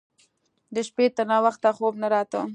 د شپې تر ناوخته خوب نه راته.